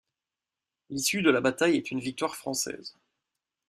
L’issue de la bataille est une victoire française.